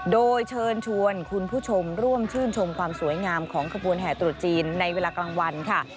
โดยเชิญชวนคุณผู้ชมร่วมชื่นชมความสวยงามของขบวนแห่ตรุษจีนในเวลากลางวันค่ะ